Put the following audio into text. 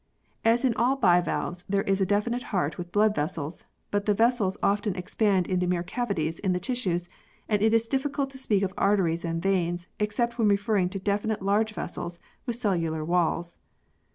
As in all bivalves there is a definite heart with blood vessels, but the vessels often expand into mere cavities in the tissues and it is difficult to speak of arteries and veins, except when referring to definite large vessels with cellular walls.